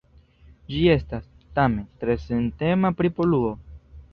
Ĝi estas, tamen, tre sentema pri poluo.